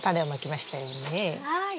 はい。